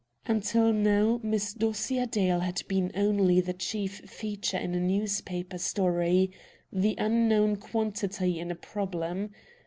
Until now Miss Dosia Dale had been only the chief feature in a newspaper story; the unknown quantity in a problem.